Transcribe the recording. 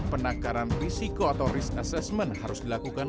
penakaran risiko atau risk assessment harus dilakukan